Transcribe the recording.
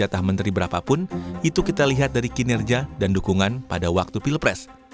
jatah menteri berapapun itu kita lihat dari kinerja dan dukungan pada waktu pilpres